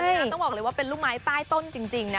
ต้องบอกเลยว่าเป็นลูกไม้ใต้ต้นจริงนะ